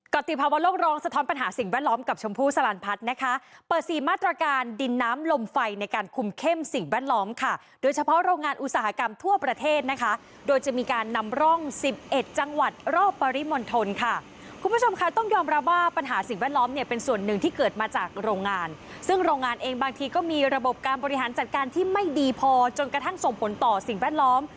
ก่อนที่พาวันโลกร้องสะท้อนปัญหาสิ่งแวดล้อมกับชมพูสลานพัฒน์นะคะเปิดสีมาตรการดินน้ำลมไฟในการคุมเข้มสิ่งแวดล้อมค่ะโดยเฉพาะโรงงานอุตสาหกรรมทั่วประเทศนะคะโดยจะมีการนำร่อง๑๑จังหวัดรอบปริมณฑลค่ะคุณผู้ชมค่ะต้องยอมรับว่าปัญหาสิ่งแวดล้อมเนี่ยเป็นส่วนหนึ่งที่เ